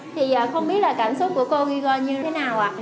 thì không biết là cảm xúc của cô ghi gò như thế nào ạ